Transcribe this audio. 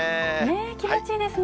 気持ちいいですね。